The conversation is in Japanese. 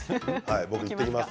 僕、行ってきます。